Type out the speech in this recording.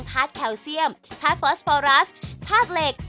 ธาตุแคลเซียมธาตุฟอสฟอรัสธาตุเหล็ก